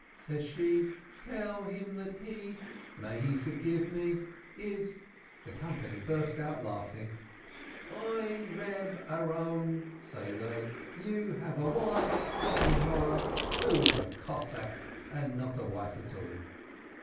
Says she, "Tell him that he (may he forgive me!) is " The company burst out laughing. "Oi, Reb Aaron," say they, "you have a wife (no evil eye!) who is a 'Cossack and not a wife at all!"